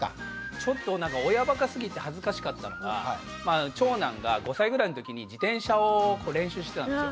ちょっとなんか親バカすぎて恥ずかしかったのが長男が５歳ぐらいのときに自転車を練習してたんですよ。